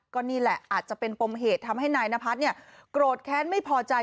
ก็นี่แหละอาจจะเป็นปมเหตุทำให้นายนพัฒน์โกรธแค้นไม่พอใจ